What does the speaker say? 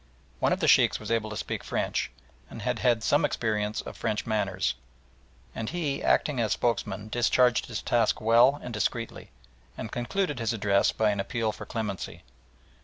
One of the Sheikhs was able to speak French, and had had some experience of French manners, and he, acting as spokesman, discharged his task well and discreetly, and concluded his address by an appeal for clemency.